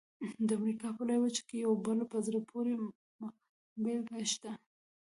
د امریکا په لویه وچه کې یوه بله په زړه پورې مخبېلګه شته.